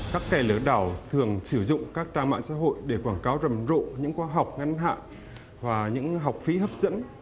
các kẻ lừa đảo thường sử dụng các trang mạng xã hội để quảng cáo rầm rộ những khóa học ngắn hạn và những học phí hấp dẫn